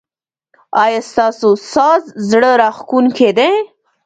ایا ستاسو ساز زړه راښکونکی دی؟